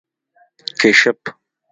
🐢 کېشپ